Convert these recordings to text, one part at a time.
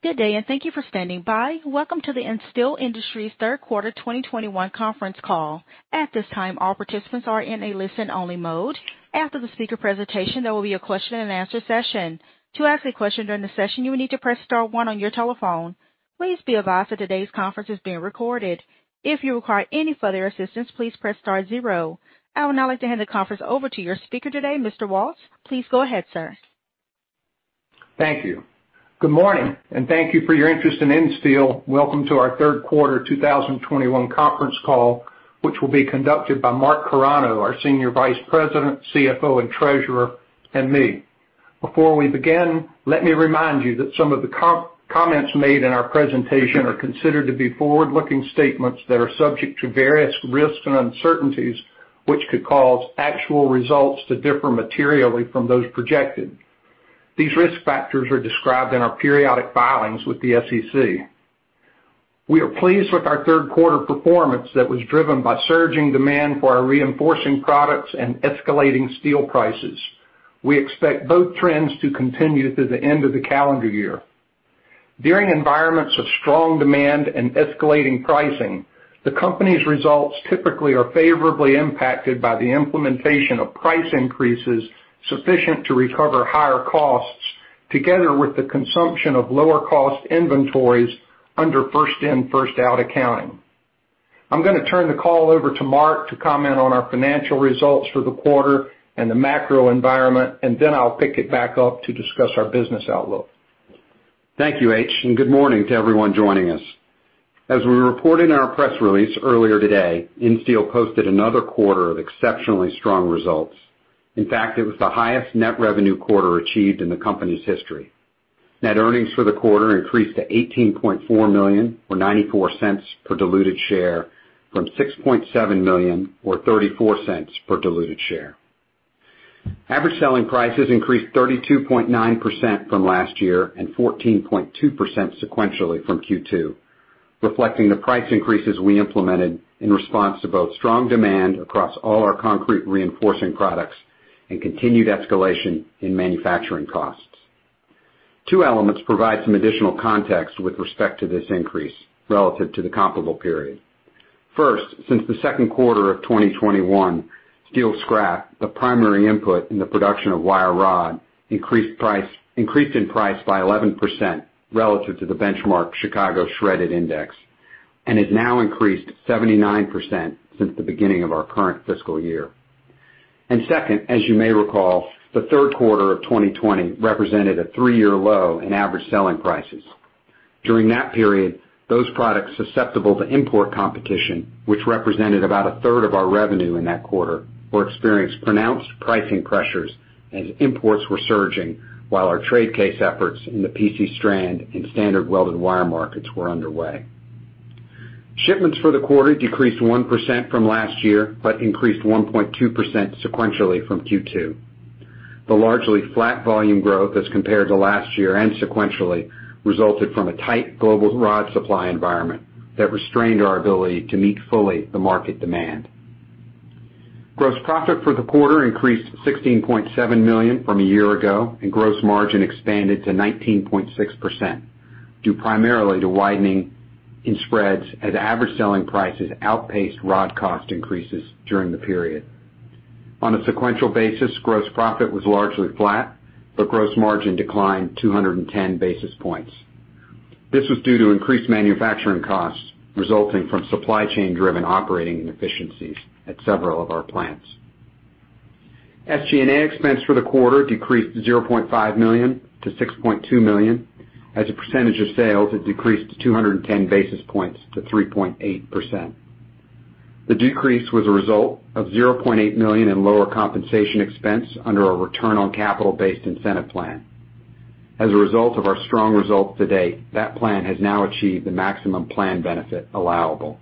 Good day, and thank you for standing by. Welcome to the Insteel Industries third quarter 2021 conference call. At this time, all participants are in a listen-only mode. After the speaker presentation, there will be a question and answer session. To ask a question during the session, you will need to press star one on your telephone. Please be advised that today's conference is being recorded. If you require any further assistance, please press star zero. I would now like to hand the conference over to your speaker today, Mr. Woltz. Please go ahead, sir. Thank you. Good morning, and thank you for your interest in Insteel. Welcome to our third quarter 2021 conference call, which will be conducted by Mark Carano, our Senior Vice President, CFO, and Treasurer, and me. Before we begin, let me remind you that some of the comments made in our presentation are considered to be forward-looking statements that are subject to various risks and uncertainties, which could cause actual results to differ materially from those projected. These risk factors are described in our periodic filings with the SEC. We are pleased with our third quarter performance that was driven by surging demand for our reinforcing products and escalating steel prices. We expect both trends to continue through the end of the calendar year. During environments of strong demand and escalating pricing, the company's results typically are favorably impacted by the implementation of price increases sufficient to recover higher costs, together with the consumption of lower-cost inventories under first in, first out accounting. I'm going to turn the call over to Mark to comment on our financial results for the quarter and the macro environment, and then I'll pick it back up to discuss our business outlook. Thank you, H, and good morning to everyone joining us. As we reported in our press release earlier today, Insteel posted another quarter of exceptionally strong results. In fact, it was the highest net revenue quarter achieved in the company's history. Net earnings for the quarter increased to $18.4 million, or $0.94 per diluted share, from $6.7 million, or $0.34 per diluted share. Average selling prices increased 32.9% from last year, and 14.2% sequentially from Q2, reflecting the price increases we implemented in response to both strong demand across all our concrete reinforcing products and continued escalation in manufacturing costs. Two elements provide some additional context with respect to this increase relative to the comparable period. First, since the second quarter of 2021, steel scrap, the primary input in the production of wire rod, increased in price by 11% relative to the benchmark Chicago Shredded Index and has now increased 79% since the beginning of our current fiscal year. Second, as you may recall, the third quarter of 2020 represented a 3-year low in average selling prices. During that period, those products susceptible to import competition, which represented about 1/3 of our revenue in that quarter, experienced pronounced pricing pressures as imports were surging while our trade case efforts in the PC strand and standard welded wire markets were underway. Shipments for the quarter decreased 1% from last year, but increased 1.2% sequentially from Q2. The largely flat volume growth as compared to last year and sequentially resulted from a tight global rod supply environment that restrained our ability to meet fully the market demand. Gross profit for the quarter increased to $16.7 million from a year ago, and gross margin expanded to 19.6%, due primarily to widening in spreads as average selling prices outpaced rod cost increases during the period. On a sequential basis, gross profit was largely flat, but gross margin declined 210 basis points. This was due to increased manufacturing costs resulting from supply chain driven operating inefficiencies at several of our plants. SG&A expense for the quarter decreased to $0.5 million to $6.2 million. As a percentage of sales, it decreased to 210 basis points to 3.8%. The decrease was a result of $0.8 million in lower compensation expense under our return on capital-based incentive plan. As a result of our strong results to date, that plan has now achieved the maximum plan benefit allowable.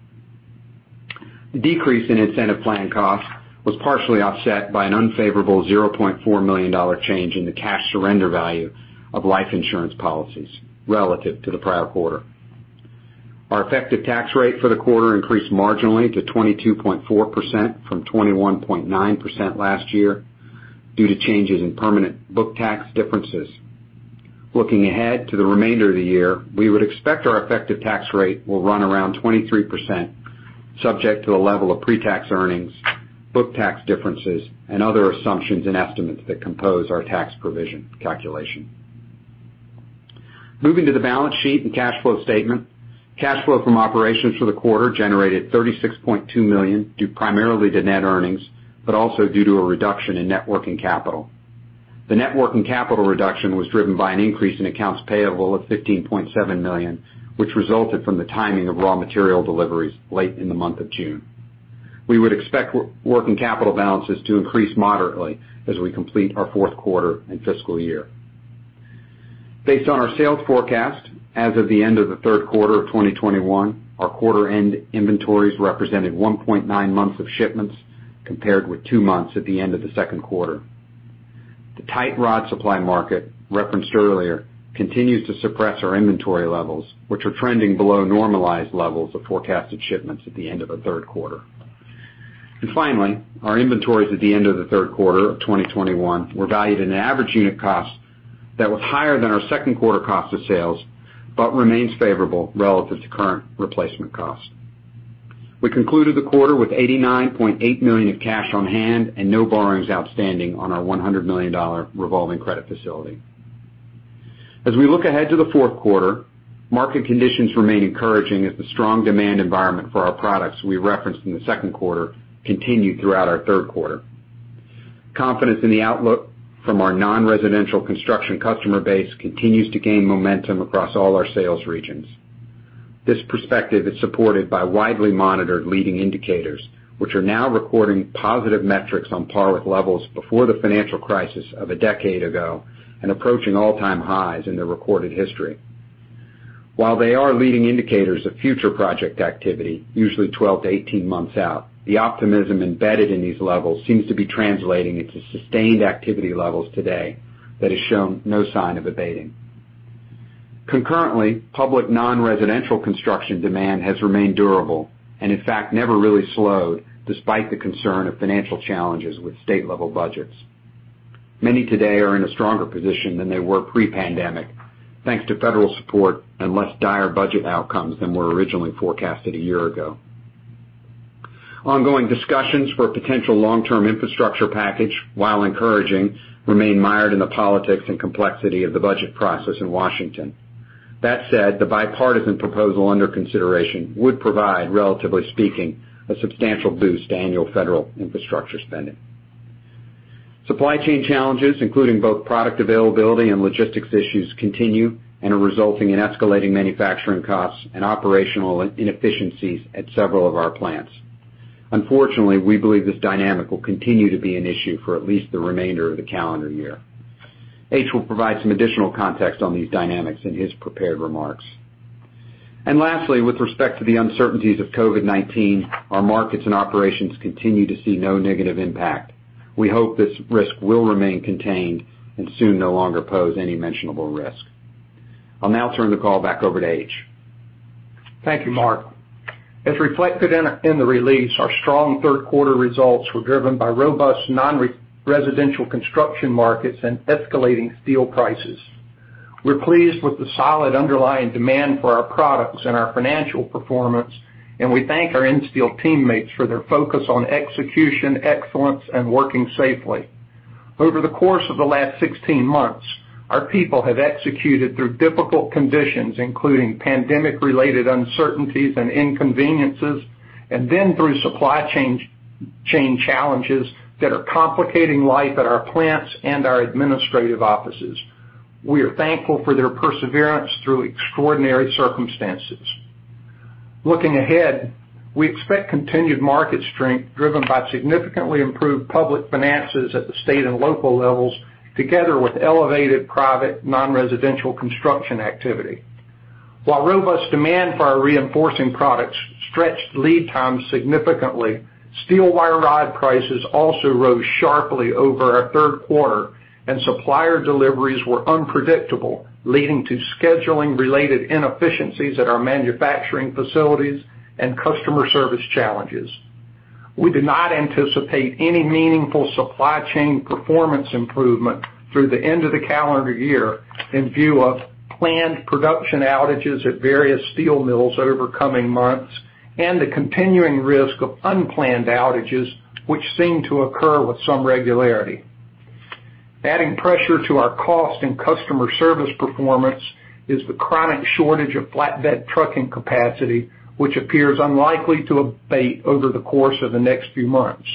The decrease in incentive plan costs was partially offset by an unfavorable $0.4 million change in the cash surrender value of life insurance policies relative to the prior quarter. Our effective tax rate for the quarter increased marginally to 22.4% from 21.9% last year due to changes in permanent book tax differences. Looking ahead to the remainder of the year, we would expect our effective tax rate will run around 23%, subject to the level of pre-tax earnings, book tax differences, and other assumptions and estimates that compose our tax provision calculation. Moving to the balance sheet and cash flow statement. Cash flow from operations for the quarter generated $36.2 million, due primarily to net earnings, but also due to a reduction in net working capital. The net working capital reduction was driven by an increase in accounts payable of $15.7 million, which resulted from the timing of raw material deliveries late in the month of June. We would expect working capital balances to increase moderately as we complete our fourth quarter and fiscal year. Based on our sales forecast, as of the end of the third quarter of 2021, our quarter-end inventories represented 1.9 months of shipments, compared with 2 months at the end of the second quarter. The tight rod supply market referenced earlier continues to suppress our inventory levels, which are trending below normalized levels of forecasted shipments at the end of the third quarter. Finally, our inventories at the end of the third quarter of 2021 were valued at an average unit cost that was higher than our second quarter cost of sales, but remains favorable relative to current replacement costs. We concluded the quarter with $89.8 million of cash on hand and no borrowings outstanding on our $100 million revolving credit facility. As we look ahead to the fourth quarter, market conditions remain encouraging as the strong demand environment for our products we referenced in the second quarter continued throughout our third quarter. Confidence in the outlook from our non-residential construction customer base continues to gain momentum across all our sales regions. This perspective is supported by widely monitored leading indicators, which are now recording positive metrics on par with levels before the financial crisis of a decade ago, and approaching all-time highs in their recorded history. While they are leading indicators of future project activity, usually 12 to 18 months out, the optimism embedded in these levels seems to be translating into sustained activity levels today that has shown no sign of abating. Concurrently, public non-residential construction demand has remained durable and, in fact, never really slowed despite the concern of financial challenges with state-level budgets. Many today are in a stronger position than they were pre-pandemic, thanks to federal support and less dire budget outcomes than were originally forecasted a year ago. Ongoing discussions for a potential long-term infrastructure package, while encouraging, remain mired in the politics and complexity of the budget process in Washington. That said, the bipartisan proposal under consideration would provide, relatively speaking, a substantial boost to annual federal infrastructure spending. Supply chain challenges, including both product availability and logistics issues, continue and are resulting in escalating manufacturing costs and operational inefficiencies at several of our plants. Unfortunately, we believe this dynamic will continue to be an issue for at least the remainder of the calendar year. H will provide some additional context on these dynamics in his prepared remarks. Lastly, with respect to the uncertainties of COVID-19, our markets and operations continue to see no negative impact. We hope this risk will remain contained and soon no longer pose any mentionable risk. I'll now turn the call back over to H. Thank you, Mark. As reflected in the release, our strong third quarter results were driven by robust non-residential construction markets and escalating steel prices. We're pleased with the solid underlying demand for our products and our financial performance. We thank our Insteel teammates for their focus on execution, excellence, and working safely. Over the course of the last 16 months, our people have executed through difficult conditions, including pandemic-related uncertainties and inconveniences, and then through supply chain challenges that are complicating life at our plants and our administrative offices. We are thankful for their perseverance through extraordinary circumstances. Looking ahead, we expect continued market strength driven by significantly improved public finances at the state and local levels, together with elevated private non-residential construction activity. While robust demand for our reinforcing products stretched lead times significantly, steel wire rod prices also rose sharply over our third quarter, and supplier deliveries were unpredictable, leading to scheduling-related inefficiencies at our manufacturing facilities and customer service challenges. We do not anticipate any meaningful supply chain performance improvement through the end of the calendar year in view of planned production outages at various steel mills over coming months and the continuing risk of unplanned outages, which seem to occur with some regularity. Adding pressure to our cost and customer service performance is the chronic shortage of flatbed trucking capacity, which appears unlikely to abate over the course of the next few months.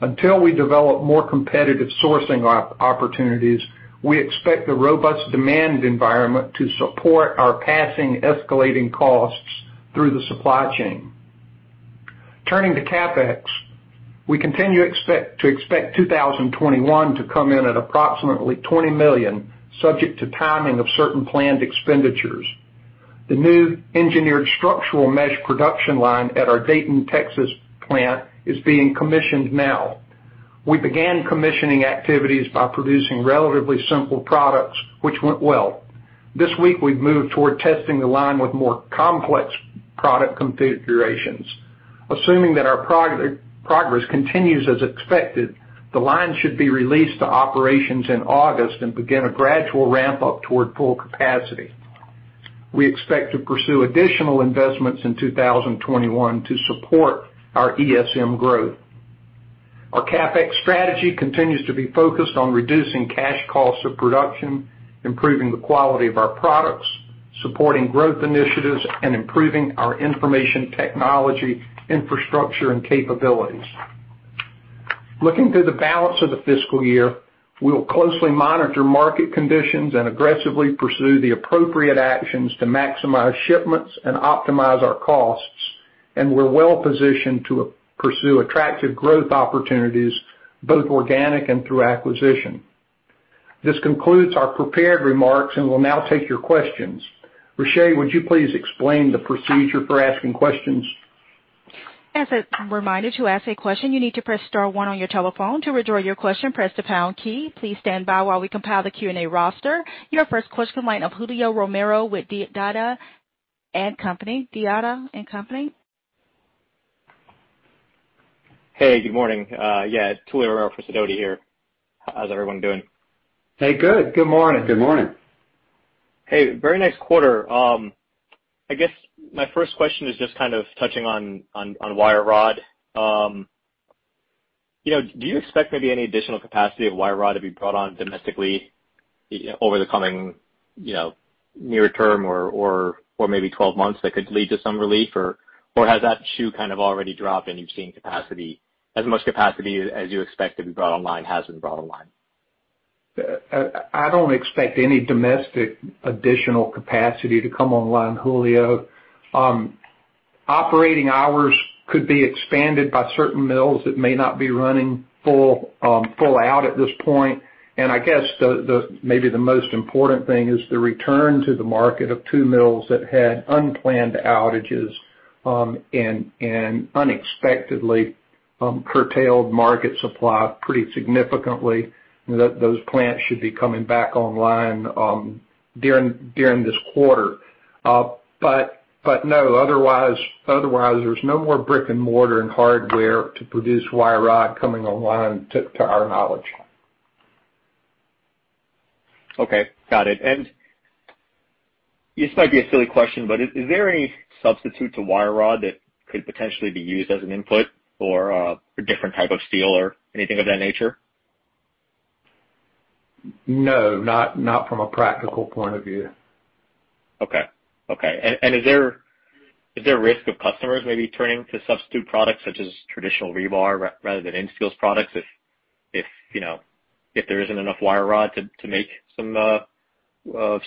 Until we develop more competitive sourcing opportunities, we expect the robust demand environment to support our passing escalating costs through the supply chain. Turning to CapEx, we continue to expect 2021 to come in at approximately $20 million, subject to timing of certain planned expenditures. The new engineered structural mesh production line at our Dayton, Texas plant is being commissioned now. We began commissioning activities by producing relatively simple products, which went well. This week, we've moved toward testing the line with more complex product configurations. Assuming that our progress continues as expected, the line should be released to operations in August and begin a gradual ramp-up toward full capacity. We expect to pursue additional investments in 2021 to support our ESM growth. Our CapEx strategy continues to be focused on reducing cash costs of production, improving the quality of our products, supporting growth initiatives, and improving our information technology infrastructure and capabilities. Looking through the balance of the fiscal year, we will closely monitor market conditions and aggressively pursue the appropriate actions to maximize shipments and optimize our costs. We're well positioned to pursue attractive growth opportunities, both organic and through acquisition. This concludes our prepared remarks. We'll now take your questions. Riché, would you please explain the procedure for asking questions? Your first question line of Julio Romero with Sidoti & Company. Sidoti & Company. Hey, good morning. Yeah, it's Julio Romero for Sidoti here. How's everyone doing? Hey, good. Good morning. Good morning. Hey, very nice quarter. I guess my first question is just kind of touching on wire rod. Do you expect maybe any additional capacity of wire rod to be brought on domestically over the coming near term or maybe 12 months that could lead to some relief? Has that shoe kind of already dropped and you've seen as much capacity as you expect to be brought online has been brought online? I don't expect any domestic additional capacity to come online, Julio. Operating hours could be expanded by certain mills that may not be running full out at this point. I guess maybe the most important thing is the return to the market of two mills that had unplanned outages, and unexpectedly curtailed market supply pretty significantly. Those plants should be coming back online during this quarter. No, otherwise, there's no more brick and mortar and hardware to produce wire rod coming online to our knowledge. Okay. Got it. This might be a silly question, but is there any substitute to wire rod that could potentially be used as an input for a different type of steel or anything of that nature? No, not from a practical point of view. Okay. Is there a risk of customers maybe turning to substitute products such as traditional rebar rather than Insteel's products if there isn't enough wire rod to make some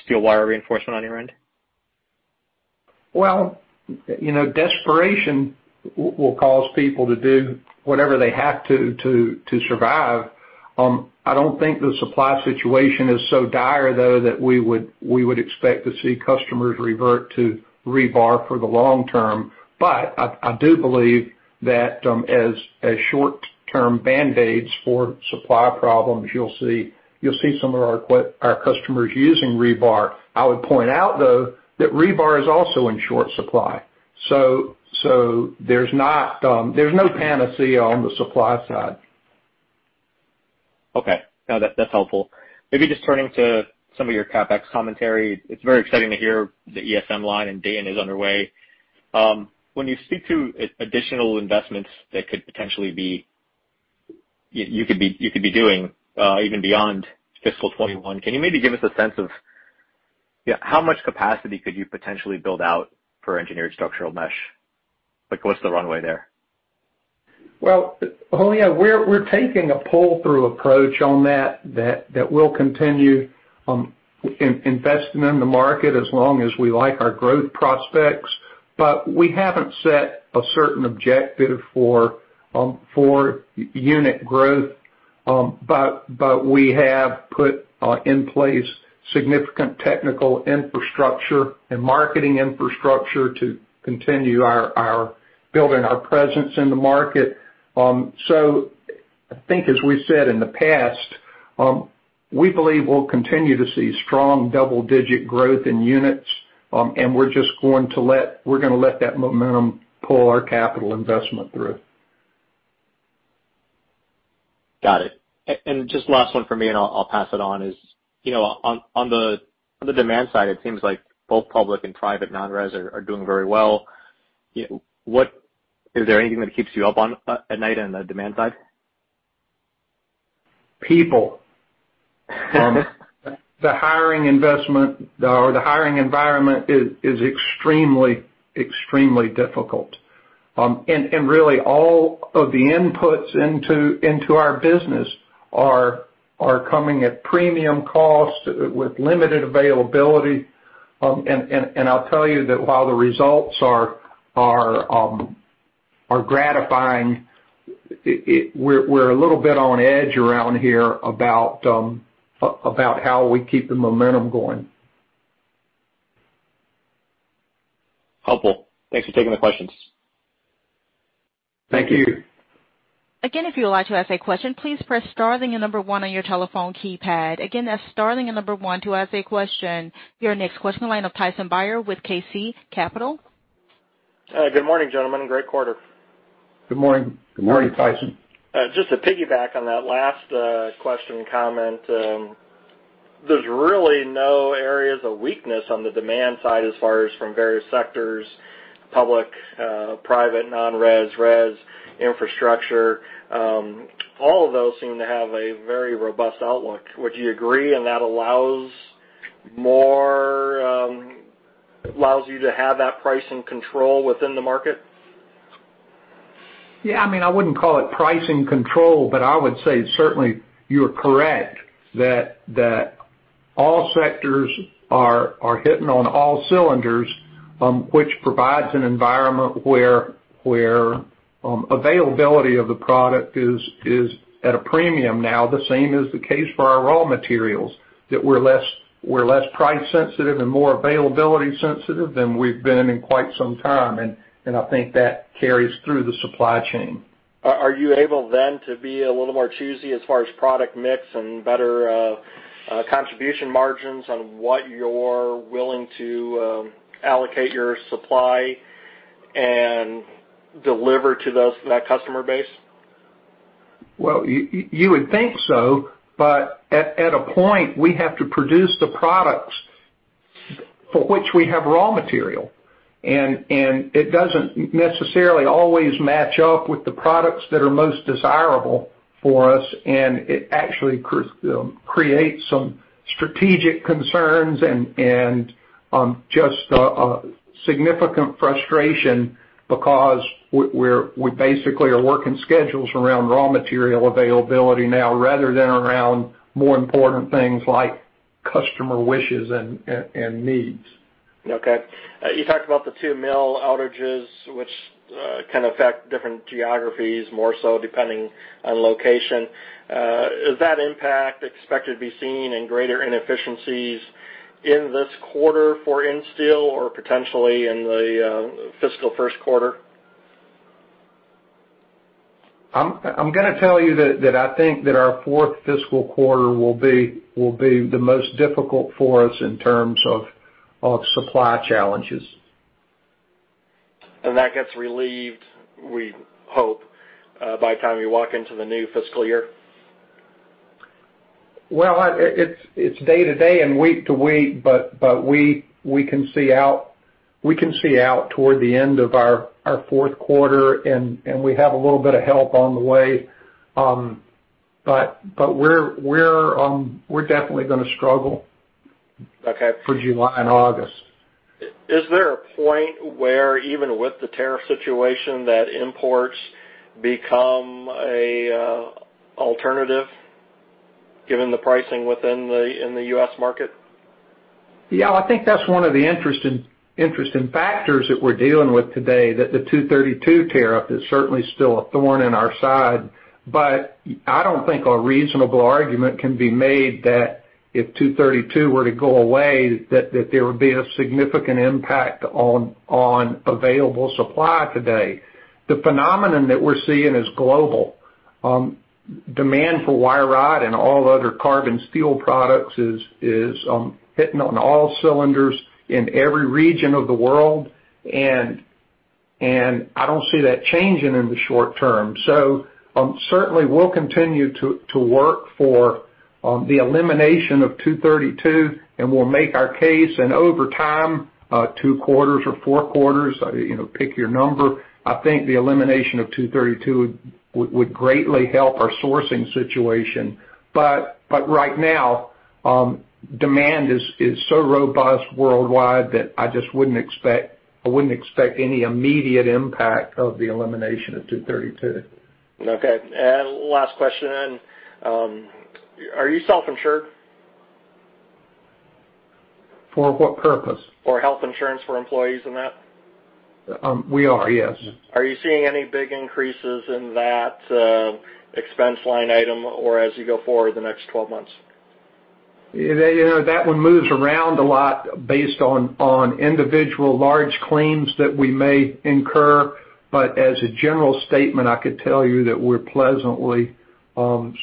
steel wire reinforcement on your end? Well, desperation will cause people to do whatever they have to survive. I don't think the supply situation is so dire, though, that we would expect to see customers revert to rebar for the long term. I do believe that, as short-term band-aids for supply problems, you'll see some of our customers using rebar. I would point out, though, that rebar is also in short supply. There's no panacea on the supply side. Okay. No, that's helpful. Just turning to some of your CapEx commentary. It's very exciting to hear the ESM line in Dayton is underway. When you speak to additional investments that you could be doing even beyond fiscal 2021, can you maybe give us a sense of how much capacity could you potentially build out for engineered structural mesh? What's the runway there? Julio, we're taking a pull-through approach on that will continue investing in the market as long as we like our growth prospects, we haven't set a certain objective for unit growth. We have put in place significant technical infrastructure and marketing infrastructure to continue building our presence in the market. I think as we said in the past, we believe we'll continue to see strong double-digit growth in units. We're just going to let that momentum pull our capital investment through. Got it. Just last one from me, and I'll pass it on, is on the demand side, it seems like both public and private non-res are doing very well. Is there anything that keeps you up at night on the demand side? People. The hiring investment or the hiring environment is extremely difficult. Really all of the inputs into our business are coming at premium cost with limited availability. I'll tell you that while the results are gratifying, we're a little bit on edge around here about how we keep the momentum going. Helpful. Thanks for taking the questions. Thank you. Thank you. Your next question, line of Tyson Bauer with Kansas City Capital Associates. Good morning, gentlemen. Great quarter. Good morning. Good morning. Morning, Tyson. Just to piggyback on that last question comment, there's really no areas of weakness on the demand side as far as from various sectors, public, private, non-res, res, infrastructure. All of those seem to have a very robust outlook. Would you agree? That allows you to have that pricing control within the market? Yeah, I wouldn't call it pricing control, but I would say certainly you are correct that all sectors are hitting on all cylinders, which provides an environment where availability of the product is at a premium now, the same is the case for our raw materials. That we're less price sensitive and more availability sensitive than we've been in quite some time. I think that carries through the supply chain. Are you able to be a little more choosy as far as product mix and better contribution margins on what you're willing to allocate your supply and deliver to that customer base? Well, you would think so. At a point, we have to produce the products for which we have raw material. It doesn't necessarily always match up with the products that are most desirable for us, and it actually creates some strategic concerns and just a significant frustration because we basically are working schedules around raw material availability now rather than around more important things like customer wishes and needs. Okay. You talked about the 2 mill outages, which can affect different geographies more so depending on location. Is that impact expected to be seen in greater inefficiencies in this quarter for Insteel or potentially in the fiscal first quarter? I'm going to tell you that I think that our fourth fiscal quarter will be the most difficult for us in terms of supply challenges. That gets relieved, we hope, by the time you walk into the new fiscal year? Well, it's day to day and week to week, but we can see out toward the end of our fourth quarter, and we have a little bit of help on the way. We're definitely going to struggle. Okay for July and August. Is there a point where, even with the tariff situation, that imports become an alternative given the pricing within the U.S. market? Yeah, I think that's one of the interesting factors that we're dealing with today, that the 232 tariff is certainly still a thorn in our side. I don't think a reasonable argument can be made that if 232 were to go away, that there would be a significant impact on available supply today. The phenomenon that we're seeing is global. Demand for wire rod and all other carbon steel products is hitting on all cylinders in every region of the world, and I don't see that changing in the short term. Certainly, we'll continue to work for the elimination of 232, and we'll make our case. Over time, two quarters or four quarters, pick your number, I think the elimination of 232 would greatly help our sourcing situation. Right now, demand is so robust worldwide that I just wouldn't expect any immediate impact of the elimination of 232. Okay. Last question. Are you self-insured? For what purpose? For health insurance for employees and that? We are, yes. Are you seeing any big increases in that expense line item or as you go forward the next 12 months? That one moves around a lot based on individual large claims that we may incur. As a general statement, I could tell you that we're pleasantly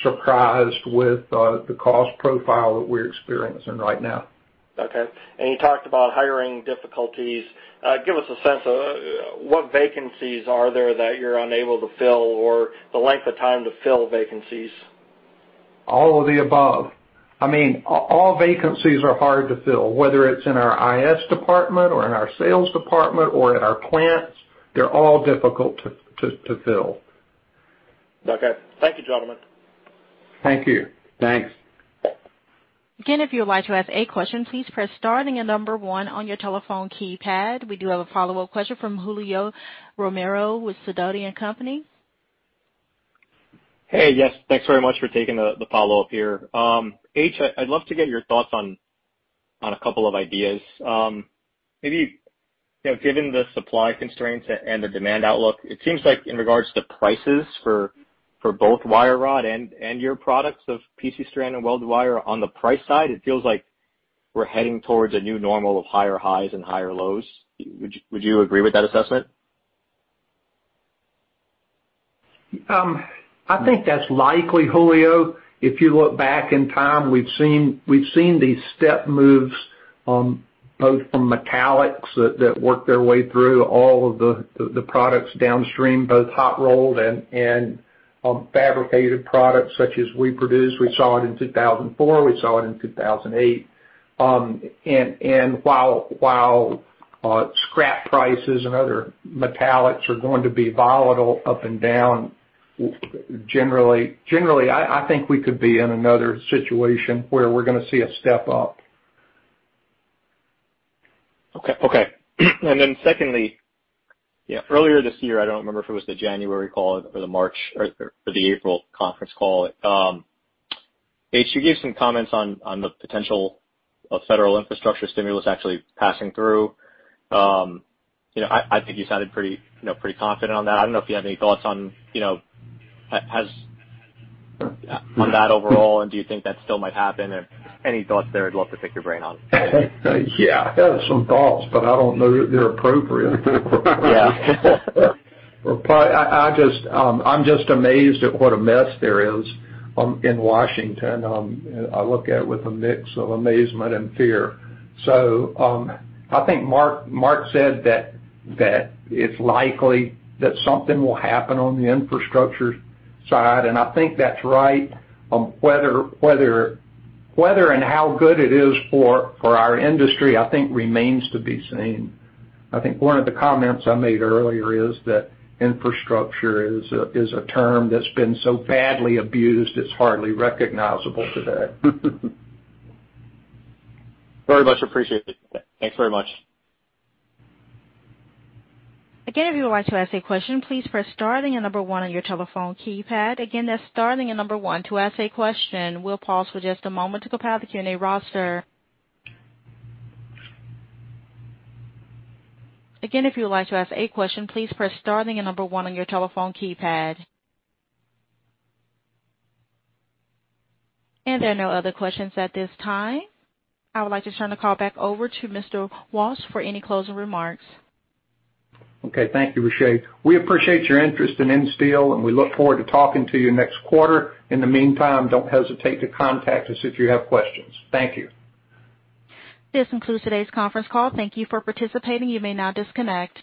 surprised with the cost profile that we're experiencing right now. Okay. You talked about hiring difficulties. Give us a sense of what vacancies are there that you're unable to fill, or the length of time to fill vacancies. All of the above. All vacancies are hard to fill, whether it's in our IS department or in our sales department or at our plants. They're all difficult to fill. Okay. Thank you, gentlemen. Thank you. Thanks. Again, if you would like to ask a question, please press star and the number one on your telephone keypad. We do have a follow-up question from Julio Romero with Sidoti & Company. Hey. Yes. Thanks very much for taking the follow-up here. H, I'd love to get your thoughts on a couple of ideas. Maybe given the supply constraints and the demand outlook, it seems like in regards to prices for both wire rod and your products of PC strand and welded wire on the price side, it feels like we're heading towards a new normal of higher highs and higher lows. Would you agree with that assessment? I think that's likely, Julio. If you look back in time, we've seen these step moves both from metallics that work their way through all of the products downstream, both hot rolled and fabricated products such as we produce. We saw it in 2004. We saw it in 2008. While scrap prices and other metallics are going to be volatile up and down, generally, I think we could be in another situation where we're going to see a step up. Secondly, earlier this year, I don't remember if it was the January call or the March or the April conference call. H, you gave some comments on the potential of federal infrastructure stimulus actually passing through. I think you sounded pretty confident on that. I don't know if you have any thoughts on that overall, and do you think that still might happen? Any thoughts there, I'd love to pick your brain on. I have some thoughts, but I don't know that they're appropriate. Yeah. I'm just amazed at what a mess there is in Washington. I look at it with a mix of amazement and fear. I think Mark said that it's likely that something will happen on the infrastructure side, and I think that's right. Whether and how good it is for our industry, I think remains to be seen. I think one of the comments I made earlier is that infrastructure is a term that's been so badly abused, it's hardly recognizable today. Very much appreciated. Thanks very much. Again, if you would like to ask a question, please press star and the number 1 on your telephone keypad. Again, that's star and the number 1 to ask a question. We'll pause for just a moment to compile the Q&A roster. Again, if you would like to ask a question, please press star and the number 1 on your telephone keypad. There are no other questions at this time. I would like to turn the call back over to Mr. Woltz for any closing remarks. Okay. Thank you, Riche. We appreciate your interest in Insteel, and we look forward to talking to you next quarter. In the meantime, don't hesitate to contact us if you have questions. Thank you. This concludes today's conference call. Thank you for participating. You may now disconnect.